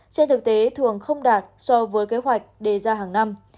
trên thực tế thường không đạt so với kế hoạch đề ra hàng năm